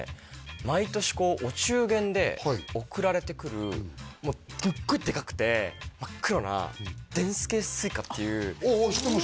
毎年お中元でおくられてくるすっごいでかくて真っ黒なでんすけすいかっていうああ知ってます